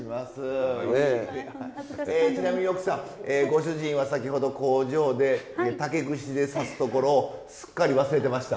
ちなみに奥さんご主人は先ほど工場で竹串で刺すところをすっかり忘れてました。